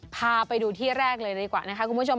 พาไปดูที่แรกเลยดีกว่านะคะคุณผู้ชม